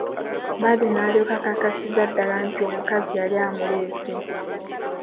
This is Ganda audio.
Badru n'alyoka akakasiza ddala nti oukazi yali amulese..